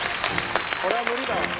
これは無理だわ。